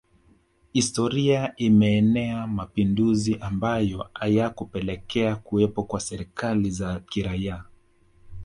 Historia imeenea mapinduzi ambayo hayakupelekea kuwepo na serikali za kiraia